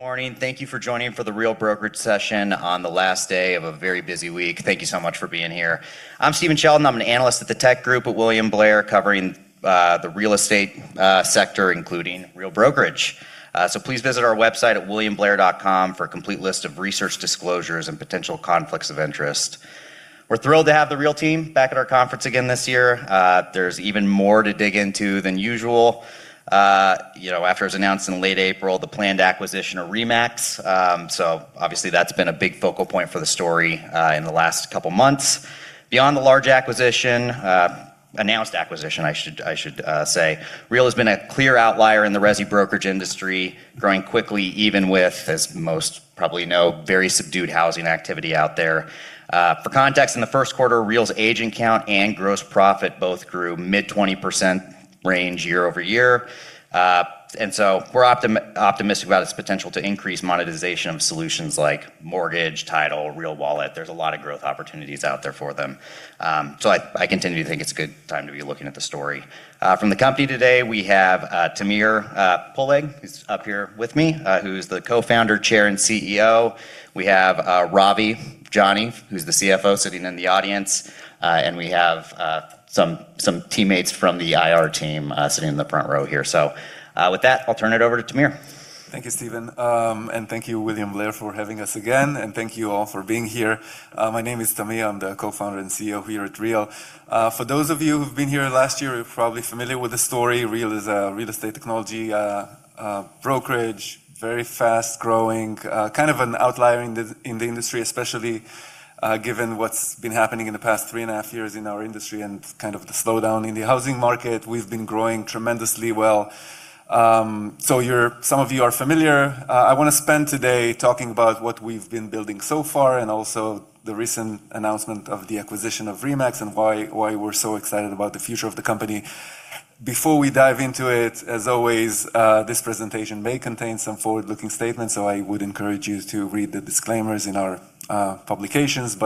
Morning. Thank you for joining for the Real Brokerage session on the last day of a very busy week. Thank you so much for being here. I'm Stephen Sheldon. I'm an analyst at the tech group at William Blair, covering the real estate sector, including Real Brokerage. Please visit our website at williamblair.com for a complete list of research disclosures and potential conflicts of interest. We're thrilled to have the Real team back at our conference again this year. There's even more to dig into than usual. After it was announced in late April, the planned acquisition of RE/MAX. Obviously that's been a big focal point for the story in the last couple of months. Beyond the large acquisition, announced acquisition, I should say, Real has been a clear outlier in the resi brokerage industry, growing quickly, even with, as most probably know, very subdued housing activity out there. For context, in the first quarter, Real's agent count and gross profit both grew mid 20% range year-over-year. We're optimistic about its potential to increase monetization of solutions like mortgage, title, Real Wallet. There's a lot of growth opportunities out there for them. I continue to think it's a good time to be looking at the story. From the company today, we have Tamir Poleg. He's up here with me, who's the co-founder, chair, and CEO. We have Ravi Jani, who's the CFO, sitting in the audience. We have some teammates from the IR team sitting in the front row here. With that, I'll turn it over to Tamir. Thank you, Stephen. thank you, William Blair, for having us again, and thank you all for being here. My name is Tamir. I'm the co-founder and CEO here at Real. For those of you who've been here last year, you're probably familiar with the story. Real is a real estate technology brokerage, very fast-growing, kind of an outlier in the industry, especially given what's been happening in the past three and a half years in our industry and the slowdown in the housing market. We've been growing tremendously well. some of you are familiar. I want to spend today talking about what we've been building so far, and also the recent announcement of the acquisition of RE/MAX and why we're so excited about the future of the company. Before we dive into it, as always, this presentation may contain some forward-looking statements, so I would encourage you to read the disclaimers in our publications.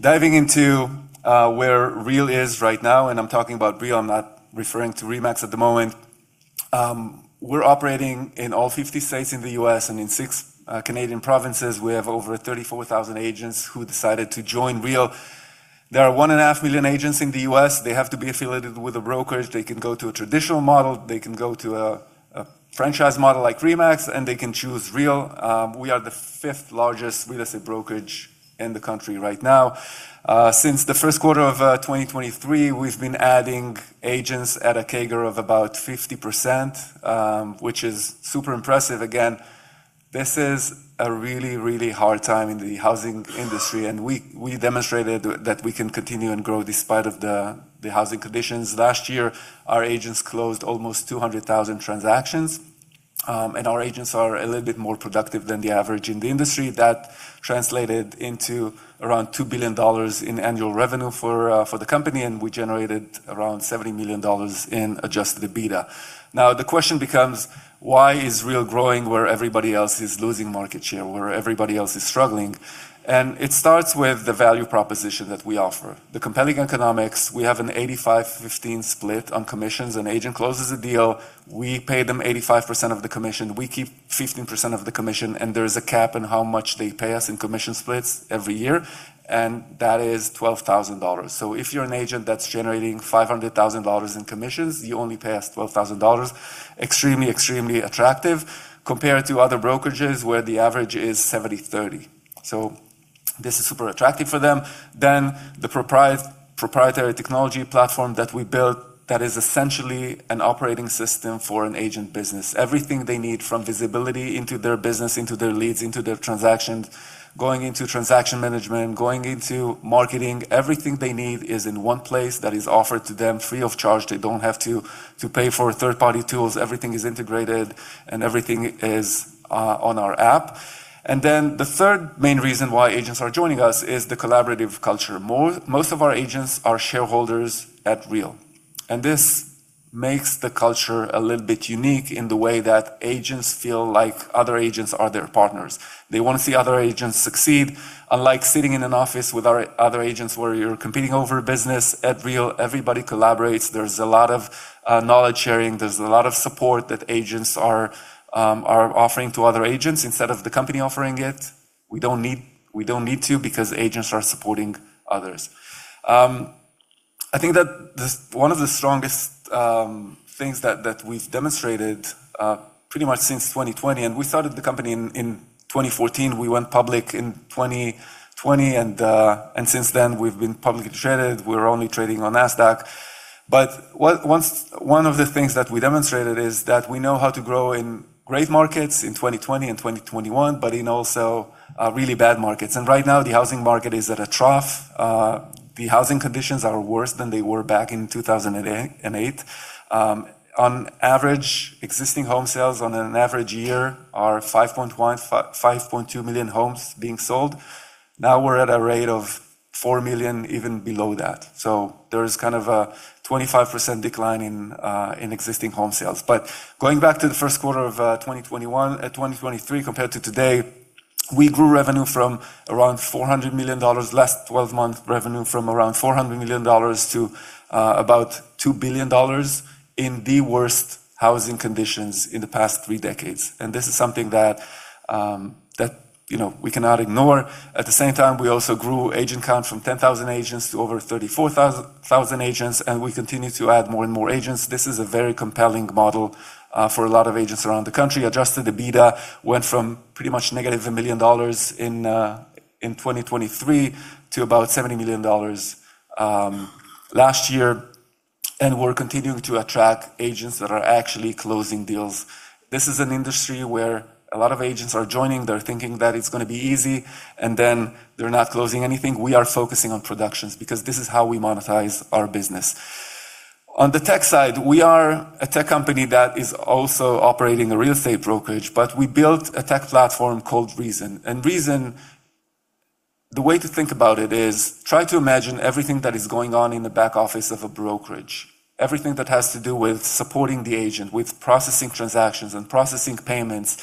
Diving into where Real is right now, and I'm talking about Real, I'm not referring to RE/MAX at the moment. We're operating in all 50 states in the U.S. and in six Canadian provinces. We have over 34,000 agents who decided to join Real. There are 1.5 million agents in the U.S. They have to be affiliated with a brokerage. They can go to a traditional model. They can go to a franchise model like RE/MAX, and they can choose Real. We are the fifth largest real estate brokerage in the country right now. Since the first quarter of 2023, we've been adding agents at a CAGR of about 50%, which is super impressive. Again, this is a really, really hard time in the housing industry, and we demonstrated that we can continue and grow despite the housing conditions. Last year, our agents closed almost 200,000 transactions, and our agents are a little bit more productive than the average in the industry. That translated into around $2 billion in annual revenue for the company, and we generated around $70 million in adjusted EBITDA. Now, the question becomes, why is Real growing where everybody else is losing market share, where everybody else is struggling? It starts with the value proposition that we offer. The compelling economics, we have an 85/15 split on commissions. An agent closes a deal, we pay them 85% of the commission. We keep 15% of the commission, and there is a cap on how much they pay us in commission splits every year, and that is $12,000. If you're an agent that's generating $500,000 in commissions, you only pay us $12,000. Extremely, extremely attractive compared to other brokerages, where the average is 70/30. This is super attractive for them. The proprietary technology platform that we built that is essentially an operating system for an agent business. Everything they need, from visibility into their business, into their leads, into their transactions, going into transaction management, going into marketing. Everything they need is in one place that is offered to them free of charge. They don't have to pay for third-party tools. Everything is integrated, and everything is on our app. The third main reason why agents are joining us is the collaborative culture. Most of our agents are shareholders at Real, and this makes the culture a little bit unique in the way that agents feel like other agents are their partners. They want to see other agents succeed. Unlike sitting in an office with other agents where you're competing over business, at Real, everybody collaborates. There's a lot of knowledge sharing. There's a lot of support that agents are offering to other agents instead of the company offering it. We don't need to because agents are supporting others. I think that one of the strongest things that we've demonstrated pretty much since 2020, and we started the company in 2014. We went public in 2020, and since then, we've been publicly traded. We're only trading on Nasdaq. One of the things that we demonstrated is that we know how to grow in great markets in 2020 and 2021, but in also really bad markets. Right now, the housing market is at a trough. The housing conditions are worse than they were back in 2008. On average, existing home sales on an average year are 5.2 million homes being sold. Now we're at a rate of 4 million, even below that. There is a 25% decline in existing home sales. Going back to the first quarter of 2023, compared to today. We grew revenue from around $400 million, last 12 months revenue from around $400 million to about $2 billion in the worst housing conditions in the past three decades. This is something that we cannot ignore. At the same time, we also grew agent count from 10,000 agents to over 34,000 agents, and we continue to add more and more agents. This is a very compelling model for a lot of agents around the country. Adjusted EBITDA went from pretty much negative $1 million in 2023 to about $70 million last year, and we're continuing to attract agents that are actually closing deals. This is an industry where a lot of agents are joining, they're thinking that it's going to be easy, and then they're not closing anything. We are focusing on productions because this is how we monetize our business. On the tech side, we are a tech company that is also operating a real estate brokerage, but we built a tech platform called reZEN. reZEN, the way to think about it is try to imagine everything that is going on in the back office of a brokerage. Everything that has to do with supporting the agent, with processing transactions and processing payments.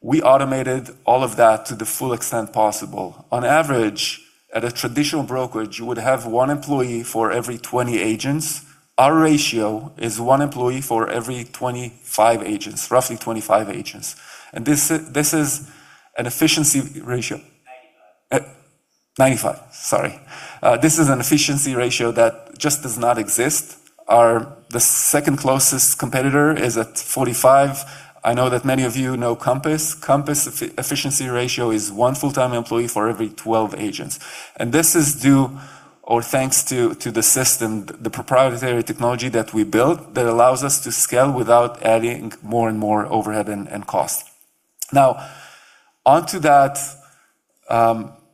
We automated all of that to the full extent possible. On average, at a traditional brokerage, you would have one employee for every 20 agents. Our ratio is one employee for every 25 agents, roughly 25 agents. This is an efficiency ratio 95, sorry. This is an efficiency ratio that just does not exist. The second closest competitor is at 45. I know that many of you know Compass. Compass efficiency ratio is one full-time employee for every 12 agents. This is due or thanks to the system, the proprietary technology that we built that allows us to scale without adding more and more overhead and cost. Now, onto that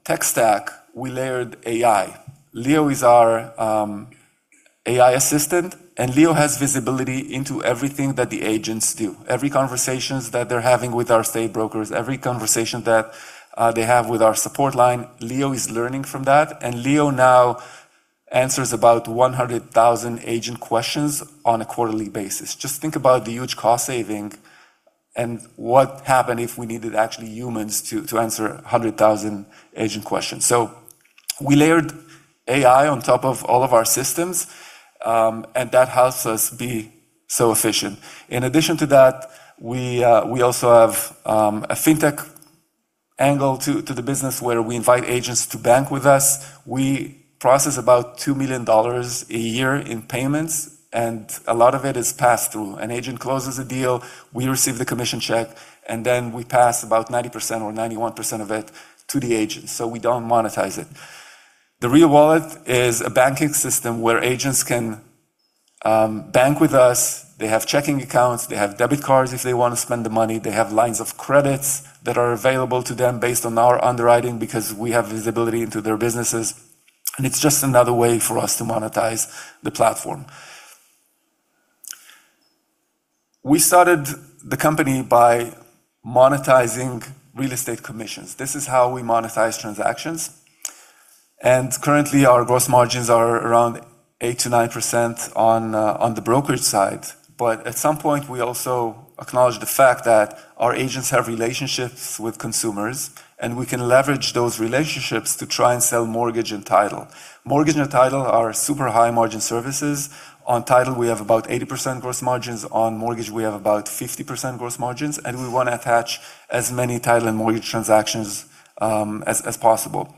tech stack, we layered AI. Leo is our AI assistant, and Leo has visibility into everything that the agents do. Every conversation that they're having with our state brokers, every conversation that they have with our support line, Leo is learning from that. Leo now answers about 100,000 agent questions on a quarterly basis. Just think about the huge cost saving and what happened if we needed actually humans to answer 100,000 agent questions. We layered AI on top of all of our systems, and that helps us be so efficient. In addition to that, we also have a fintech angle to the business where we invite agents to bank with us. We process about $2 million a year in payments, and a lot of it is passed through. An agent closes a deal, we receive the commission check, and then we pass about 90% or 91% of it to the agent, so we don't monetize it. The Real Wallet is a banking system where agents can bank with us. They have checking accounts. They have debit cards if they want to spend the money. They have lines of credits that are available to them based on our underwriting because we have visibility into their businesses, and it's just another way for us to monetize the platform. We started the company by monetizing real estate commissions. This is how we monetize transactions. Currently, our gross margins are around 8%-9% on the brokerage side. At some point, we also acknowledge the fact that our agents have relationships with consumers, and we can leverage those relationships to try and sell mortgage and title. Mortgage and title are super high margin services. On title, we have about 80% gross margins. On mortgage, we have about 50% gross margins, and we want to attach as many title and mortgage transactions as possible.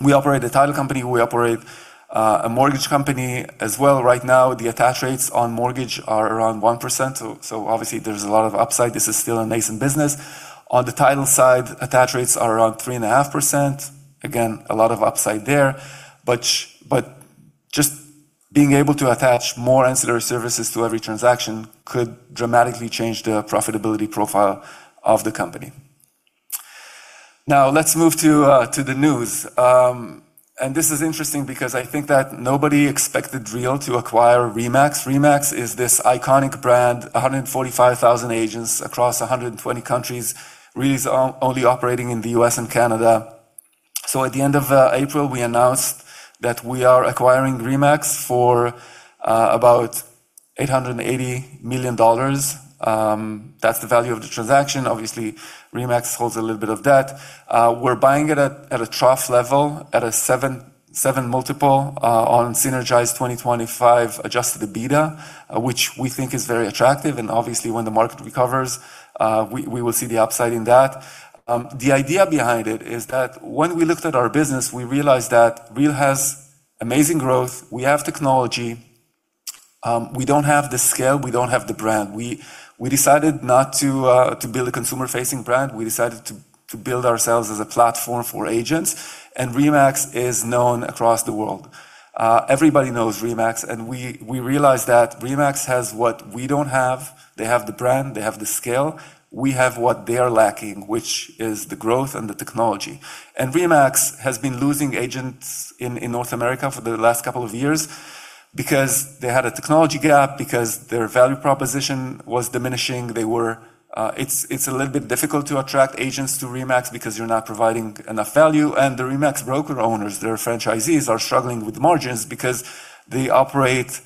We operate a title company. We operate a mortgage company as well. Right now, the attach rates on mortgage are around 1%, so obviously there's a lot of upside. This is still a nascent business. On the title side, attach rates are around 3.5%. Again, a lot of upside there. Just being able to attach more ancillary services to every transaction could dramatically change the profitability profile of the company. Now, let's move to the news. This is interesting because I think that nobody expected Real to acquire RE/MAX. RE/MAX is this iconic brand, 145,000 agents across 120 countries. Real is only operating in the U.S. and Canada. At the end of April, we announced that we are acquiring RE/MAX for about $880 million. That's the value of the transaction. Obviously, RE/MAX holds a little bit of debt. We're buying it at a trough level, at a seven multiple on synergized 2025 adjusted EBITDA, which we think is very attractive. Obviously, when the market recovers, we will see the upside in that. The idea behind it is that when we looked at our business, we realized that Real has amazing growth. We have technology. We don't have the scale. We don't have the brand. We decided not to build a consumer-facing brand. We decided to build ourselves as a platform for agents, and RE/MAX is known across the world. Everybody knows RE/MAX, and we realized that RE/MAX has what we don't have. They have the brand. They have the scale. We have what they are lacking, which is the growth and the technology. RE/MAX has been losing agents in North America for the last couple of years because they had a technology gap, because their value proposition was diminishing. It's a little bit difficult to attract agents to RE/MAX because you're not providing enough value. The RE/MAX broker owners, their franchisees are struggling with margins because they operate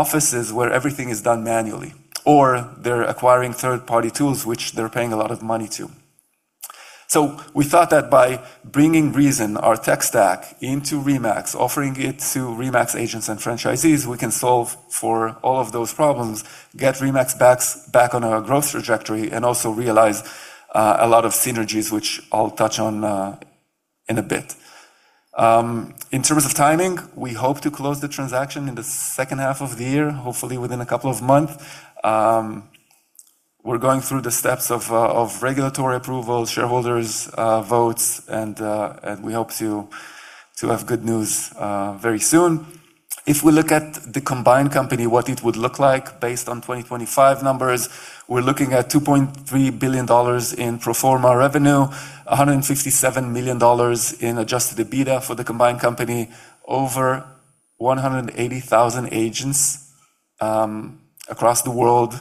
offices where everything is done manually, or they're acquiring third-party tools which they're paying a lot of money to. We thought that by bringing reZEN, our tech stack, into RE/MAX, offering it to RE/MAX agents and franchisees, we can solve for all of those problems, get RE/MAX back on a growth trajectory, and also realize a lot of synergies, which I'll touch on in a bit. In terms of timing, we hope to close the transaction in the second half of the year, hopefully within a couple of months. We're going through the steps of regulatory approval, shareholders votes, and we hope to have good news very soon. If we look at the combined company, what it would look like based on 2025 numbers, we're looking at $2.3 billion in pro forma revenue, $157 million in adjusted EBITDA for the combined company, over 180,000 agents across the world.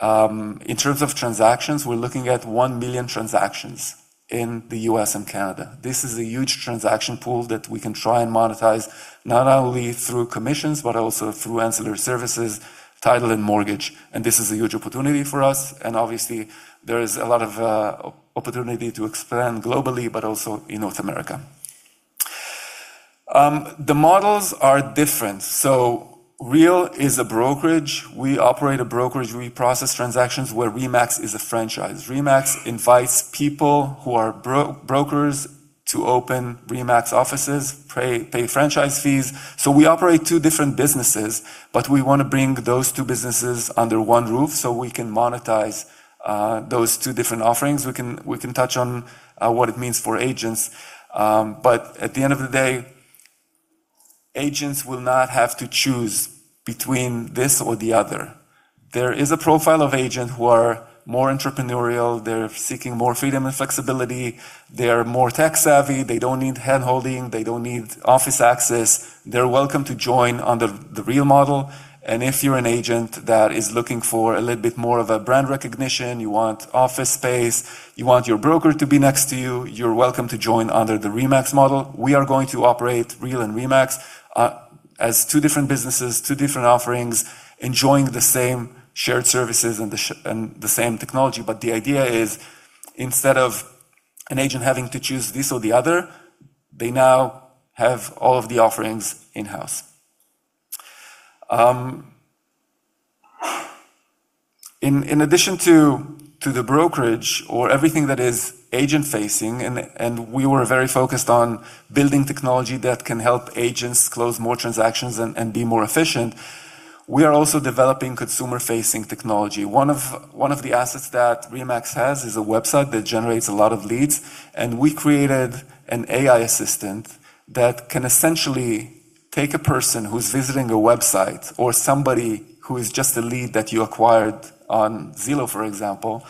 In terms of transactions, we're looking at 1 million transactions in the U.S. and Canada. This is a huge transaction pool that we can try and monetize, not only through commissions, but also through ancillary services, title, and mortgage. This is a huge opportunity for us. Obviously, there is a lot of opportunity to expand globally, but also in North America. The models are different. Real is a brokerage. We operate a brokerage. We process transactions where RE/MAX is a franchise. RE/MAX invites people who are brokers to open RE/MAX offices, pay franchise fees. We operate two different businesses, but we want to bring those two businesses under one roof so we can monetize those two different offerings. We can touch on what it means for agents. At the end of the day, agents will not have to choose between this or the other. There is a profile of agent who are more entrepreneurial. They're seeking more freedom and flexibility. They are more tech savvy. They don't need handholding. They don't need office access. They're welcome to join under the Real model. If you're an agent that is looking for a little bit more of a brand recognition, you want office space, you want your broker to be next to you're welcome to join under the RE/MAX model. We are going to operate Real and RE/MAX as two different businesses, two different offerings, enjoying the same shared services and the same technology. The idea is, instead of an agent having to choose this or the other, they now have all of the offerings in-house. In addition to the brokerage or everything that is agent facing, and we were very focused on building technology that can help agents close more transactions and be more efficient, we are also developing consumer facing technology. One of the assets that RE/MAX has is a website that generates a lot of leads, and we created an AI assistant that can essentially take a person who's visiting a website or somebody who is just a lead that you acquired on Zillow, for example,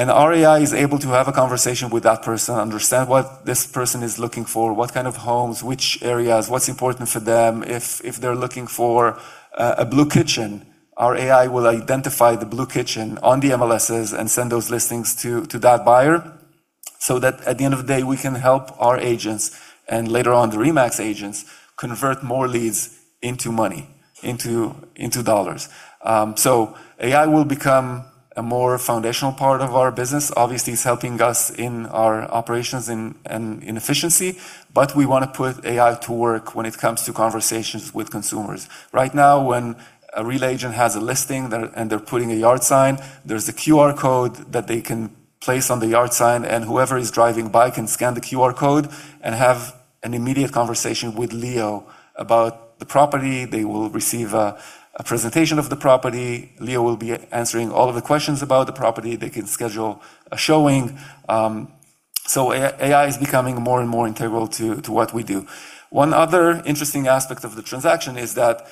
and our AI is able to have a conversation with that person, understand what this person is looking for, what kind of homes, which areas, what's important for them. If they're looking for a blue kitchen, our AI will identify the blue kitchen on the MLSs and send those listings to that buyer, so that at the end of the day, we can help our agents, and later on, the RE/MAX agents, convert more leads into money, into dollars. AI will become a more foundational part of our business. Obviously, it's helping us in our operations and in efficiency, but we want to put AI to work when it comes to conversations with consumers. Right now, when a Real agent has a listing, and they're putting a yard sign, there's a QR code that they can place on the yard sign, and whoever is driving by can scan the QR code and have an immediate conversation with Leo about the property. They will receive a presentation of the property. Leo will be answering all of the questions about the property. They can schedule a showing. AI is becoming more and more integral to what we do. One other interesting aspect of the transaction is that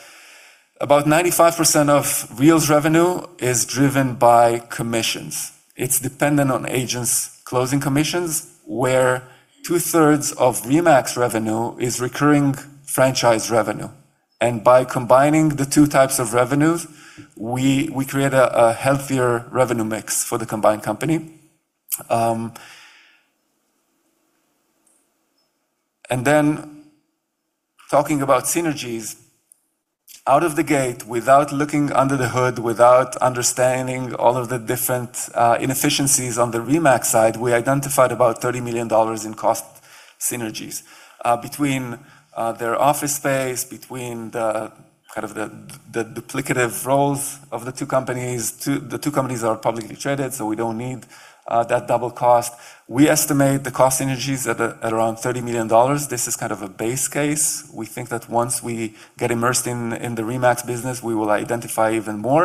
about 95% of Real's revenue is driven by commissions. It's dependent on agents closing commissions, where 2/3 of RE/MAX revenue is recurring franchise revenue. By combining the two types of revenues, we create a healthier revenue mix for the combined company. Talking about synergies, out of the gate, without looking under the hood, without understanding all of the different inefficiencies on the RE/MAX side, we identified about $30 million in cost synergies between their office space, between the duplicative roles of the two companies. The two companies are publicly traded, so we don't need that double cost. We estimate the cost synergies at around $30 million. This is a base case. We think that once we get immersed in the RE/MAX business, we will identify even more.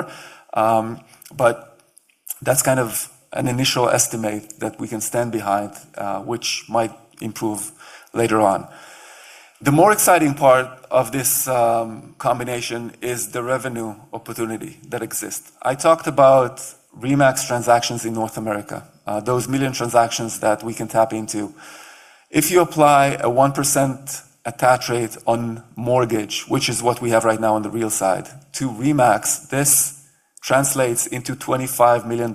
That's an initial estimate that we can stand behind, which might improve later on. The more exciting part of this combination is the revenue opportunity that exists. I talked about RE/MAX transactions in North America, those million transactions that we can tap into. If you apply a 1% attach rate on mortgage, which is what we have right now on the Real side, to RE/MAX, this translates into $25 million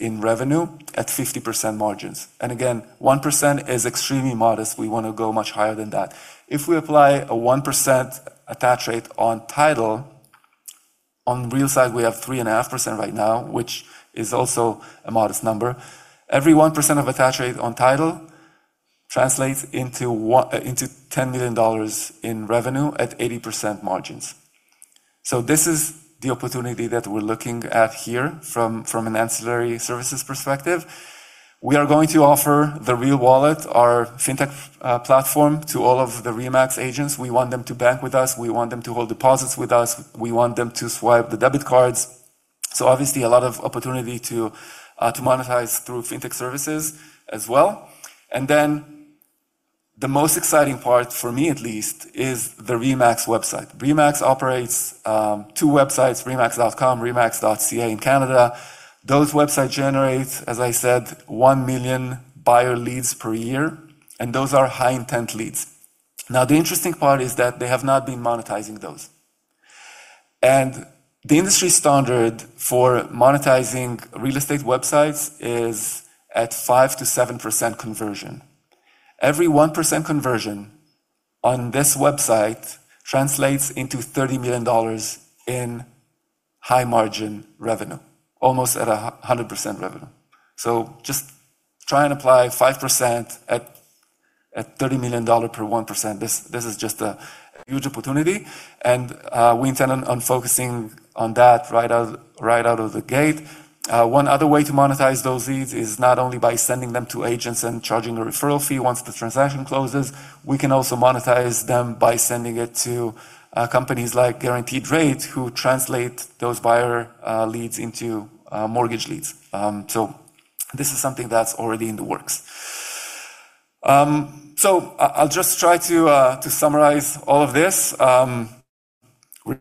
in revenue at 50% margins. Again, 1% is extremely modest. We want to go much higher than that. If we apply a 1% attach rate on title. On Real side, we have 3.5% right now, which is also a modest number. Every 1% of attach rate on title translates into $10 million in revenue at 80% margins. This is the opportunity that we're looking at here from an ancillary services perspective. We are going to offer the Real Wallet, our fintech platform, to all of the RE/MAX agents. We want them to bank with us. We want them to hold deposits with us. We want them to swipe the debit cards. Obviously a lot of opportunity to monetize through fintech services as well. The most exciting part, for me at least, is the RE/MAX website. RE/MAX operates two websites, remax.com, remax.ca in Canada. Those websites generate, as I said, 1,000,000 buyer leads per year, and those are high-intent leads. Now, the interesting part is that they have not been monetizing those. The industry standard for monetizing real estate websites is at 5%-7% conversion. Every 1% conversion on this website translates into $30 million in high-margin revenue, almost at 100% revenue. Just try and apply 5% at $30 million per 1%. This is just a huge opportunity. We intend on focusing on that right out of the gate. One other way to monetize those leads is not only by sending them to agents and charging a referral fee once the transaction closes. We can also monetize them by sending it to companies like Guaranteed Rate, who translate those buyer leads into mortgage leads. This is something that's already in the works. I'll just try to summarize all of this. Real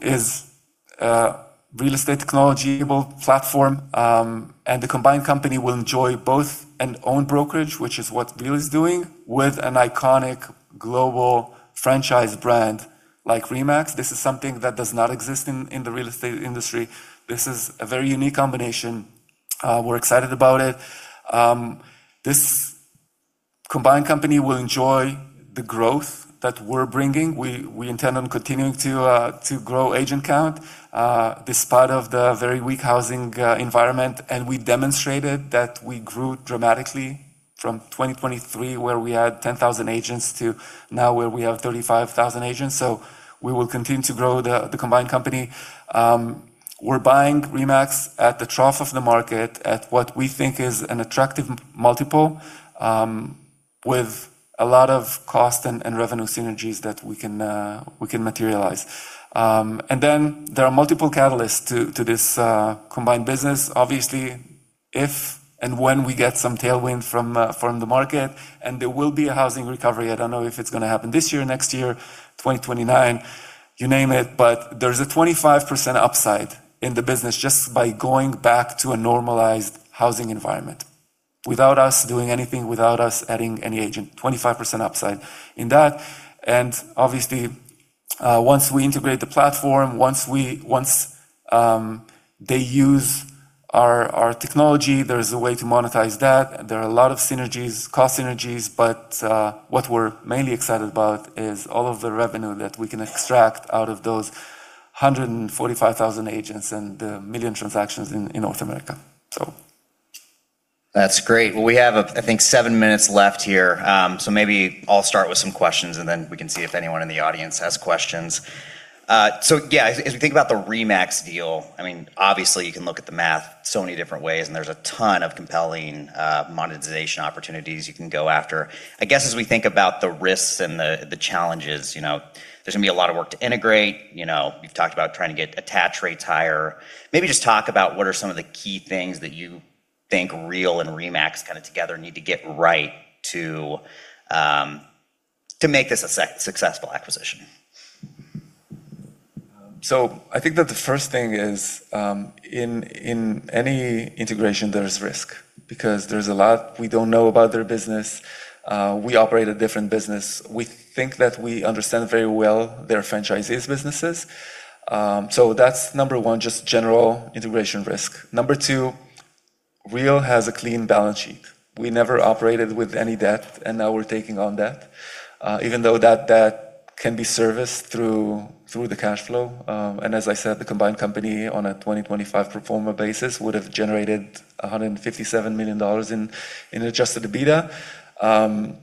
is a real estate technology-enabled platform, and the combined company will enjoy both an owned brokerage, which is what Real is doing, with an iconic global franchise brand like RE/MAX. This is something that does not exist in the real estate industry. This is a very unique combination. We're excited about it. This combined company will enjoy the growth that we're bringing. We intend on continuing to grow agent count despite of the very weak housing environment. We demonstrated that we grew dramatically from 2023, where we had 10,000 agents to now where we have 35,000 agents. We will continue to grow the combined company. We're buying RE/MAX at the trough of the market at what we think is an attractive multiple with a lot of cost and revenue synergies that we can materialize. There are multiple catalysts to this combined business. Obviously, if and when we get some tailwind from the market, and there will be a housing recovery. I don't know if it's going to happen this year, next year, 2029, you name it, but there's a 25% upside in the business just by going back to a normalized housing environment without us doing anything, without us adding any agent, 25% upside in that. Obviously, once we integrate the platform, once they use our technology, there is a way to monetize that. There are a lot of synergies, cost synergies, but what we're mainly excited about is all of the revenue that we can extract out of those 145,000 agents and the million transactions in North America. That's great. Well, we have, I think, seven minutes left here. Maybe I'll start with some questions, and then we can see if anyone in the audience has questions. Yeah, as we think about the RE/MAX deal, obviously you can look at the math so many different ways, and there's a ton of compelling monetization opportunities you can go after. I guess as we think about the risks and the challenges, there's going to be a lot of work to integrate. You've talked about trying to get attach rates higher. Maybe just talk about what are some of the key things that you think Real and RE/MAX together need to get right to make this a successful acquisition. I think that the first thing is, in any integration there is risk because there's a lot we don't know about their business. We operate a different business. We think that we understand very well their franchisees' businesses. That's number one, just general integration risk. Number two, Real has a clean balance sheet. We never operated with any debt, and now we're taking on debt, even though that debt can be serviced through the cash flow. As I said, the combined company on a 2025 pro forma basis would have generated $157 million in adjusted EBITDA.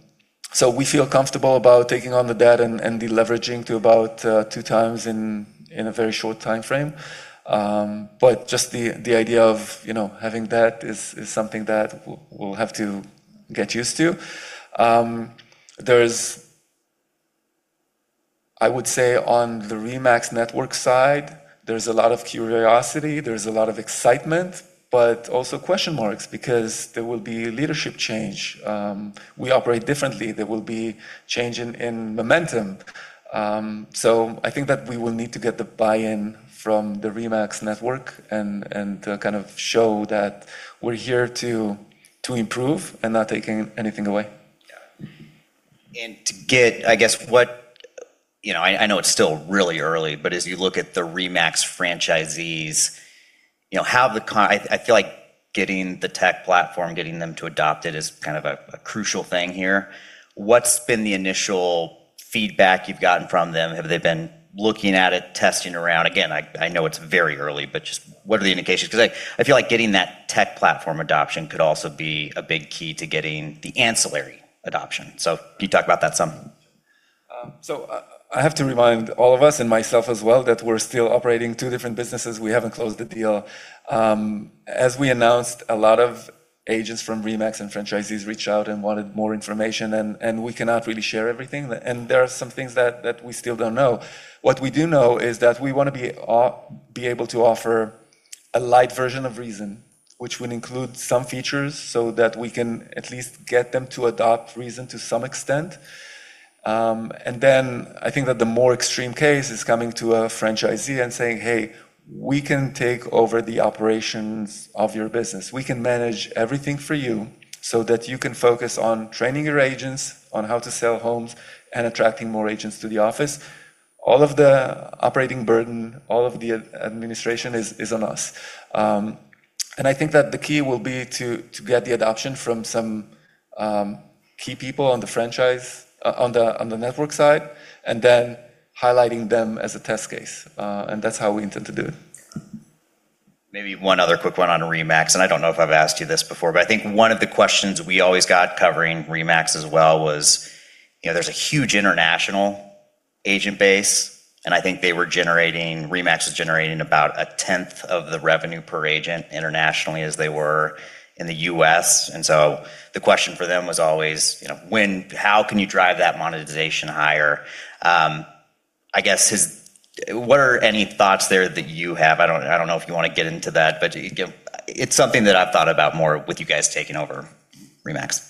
We feel comfortable about taking on the debt and deleveraging to about two times in a very short timeframe. Just the idea of having debt is something that we'll have to get used to. I would say on the RE/MAX network side, there's a lot of curiosity, there's a lot of excitement, but also question marks because there will be leadership change. We operate differently. There will be change in momentum. I think that we will need to get the buy-in from the RE/MAX network and to show that we're here to improve and not taking anything away. Yeah. to get, I know it's still really early, but as you look at the RE/MAX franchisees I feel like getting the tech platform, getting them to adopt it is kind of a crucial thing here. What's been the initial feedback you've gotten from them? Have they been looking at it, testing around? Again, I know it's very early, but just what are the indications? Because I feel like getting that tech platform adoption could also be a big key to getting the ancillary adoption. can you talk about that some? I have to remind all of us and myself as well that we're still operating two different businesses. We haven't closed the deal. As we announced, a lot of agents from RE/MAX and franchisees reached out and wanted more information, and we cannot really share everything, and there are some things that we still don't know. What we do know is that we want to be able to offer a light version of reZEN, which would include some features so that we can at least get them to adopt reZEN to some extent. I think that the more extreme case is coming to a franchisee and saying, "Hey, we can take over the operations of your business. We can manage everything for you so that you can focus on training your agents on how to sell homes and attracting more agents to the office. All of the operating burden, all of the administration is on us." I think that the key will be to get the adoption from some key people on the franchise, on the network side, and then highlighting them as a test case. That's how we intend to do it Maybe one other quick one on RE/MAX, and I don't know if I've asked you this before, but I think one of the questions we always got covering RE/MAX as well was, there's a huge international agent base, and I think RE/MAX is generating about a tenth of the revenue per agent internationally as they were in the U.S. The question for them was always, how can you drive that monetization higher? I guess, what are any thoughts there that you have? I don't know if you want to get into that, but it's something that I've thought about more with you guys taking over RE/MAX.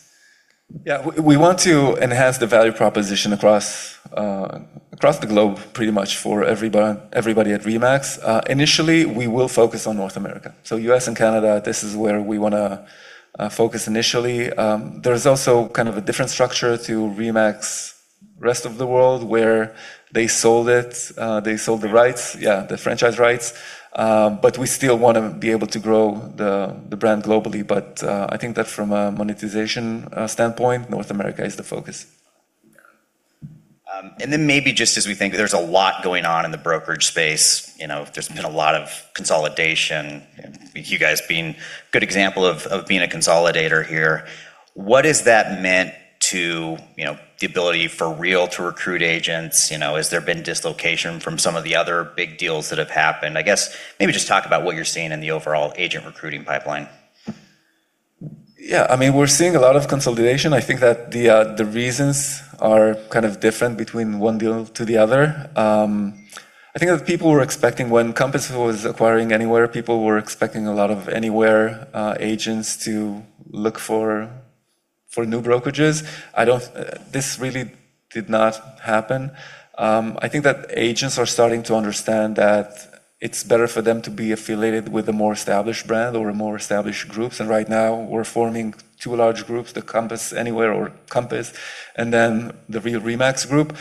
Yeah. We want to enhance the value proposition across the globe pretty much for everybody at RE/MAX. Initially, we will focus on North America. U.S. and Canada, this is where we want to focus initially. There is also kind of a different structure to RE/MAX rest of the world, where they sold the rights. Yeah, the franchise rights. We still want to be able to grow the brand globally. I think that from a monetization standpoint, North America is the focus. Maybe just as we think there's a lot going on in the brokerage space, there's been a lot of consolidation, you guys being a good example of being a consolidator here. What has that meant to the ability for Real to recruit agents? Has there been dislocation from some of the other big deals that have happened? I guess maybe just talk about what you're seeing in the overall agent recruiting pipeline. Yeah. We're seeing a lot of consolidation. I think that the reasons are kind of different between one deal to the other. I think that when Compass was acquiring Anywhere, people were expecting a lot of Anywhere agents to look for new brokerages. This really did not happen. I think that agents are starting to understand that it's better for them to be affiliated with a more established brand or more established groups. Right now, we're forming two large groups, the Compass Anywhere or Compass, and then the Real RE/MAX group.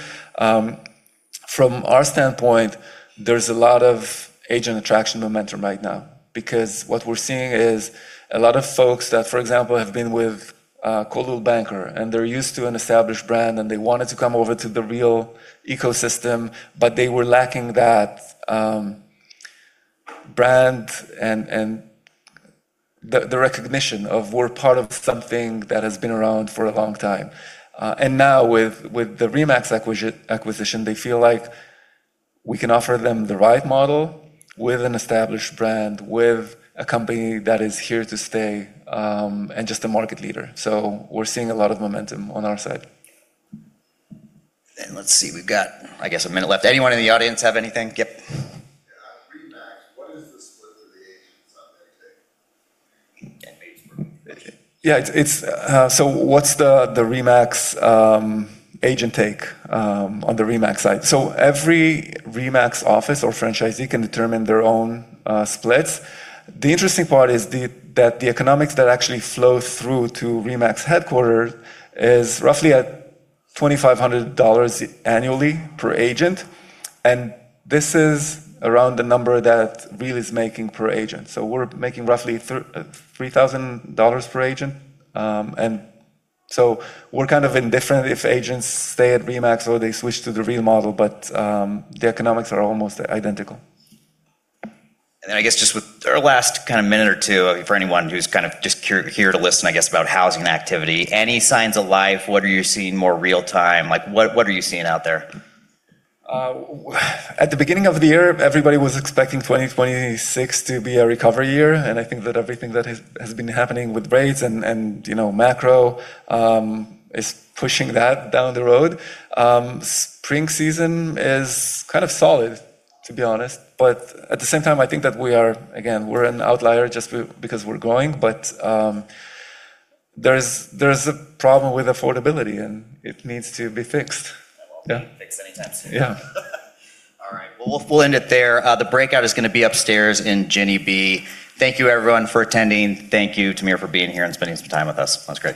From our standpoint, there's a lot of agent attraction momentum right now because what we're seeing is a lot of folks that, for example, have been with Coldwell Banker and they're used to an established brand and they wanted to come over to the Real ecosystem, but they were lacking that brand and the recognition of we're part of something that has been around for a long time. Now with the RE/MAX acquisition, they feel like we can offer them the right model with an established brand, with a company that is here to stay, and just a market leader. We're seeing a lot of momentum on our side. Let's see, we've got, I guess, a minute left. Anyone in the audience have anything? Yep. Yeah. RE/MAX, what is the split for the agents on their take? Yeah. what's the RE/MAX agent take on the RE/MAX side? Every RE/MAX office or franchisee can determine their own splits. The interesting part is that the economics that actually flow through to RE/MAX headquarters is roughly at $2,500 annually per agent, and this is around the number that Real is making per agent. We're making roughly $3,000 per agent. We're kind of indifferent if agents stay at RE/MAX or they switch to the Real model, but the economics are almost identical. I guess just with our last kind of minute or two, for anyone who's kind of just here to listen about housing activity, any signs of life? What are you seeing more real-time? What are you seeing out there? At the beginning of the year, everybody was expecting 2026 to be a recovery year, and I think that everything that has been happening with rates and macro is pushing that down the road. Spring season is kind of solid, to be honest. At the same time, I think that we are, again, we're an outlier just because we're growing, but there's a problem with affordability, and it needs to be fixed. That won't be fixed anytime soon. Yeah. All right. Well, we'll end it there. The breakout is going to be upstairs in Ginny B. Thank you everyone for attending. Thank you, Tamir, for being here and spending some time with us. It was great.